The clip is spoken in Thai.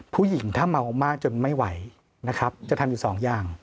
ผู้หญิงถ้าเมามากจนไม่ไหวนะครับจะทำอยู่สองอย่าง